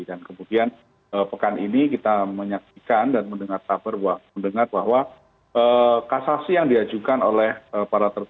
dan kemudian pekan ini kita menyaksikan dan mendengar saber mendengar bahwa kasasi yang diajukan oleh para tersebut